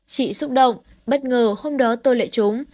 chị xúc động bất ngờ hôm đó tôi lệ trúng